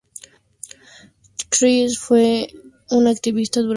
Chris fue un activista durante toda su vida.